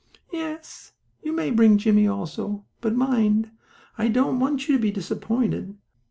"Yes, you may bring Jimmie also. But mind, I don't want you to be disappointed.